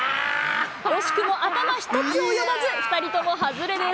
惜しくも頭一つ及ばず、２人とも外れです。